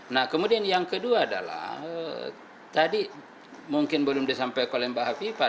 nah kemudian yang kedua adalah tadi mungkin belum disampaikan oleh mbak hafifah